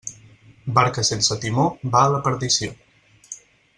Barca sense timó va a la perdició.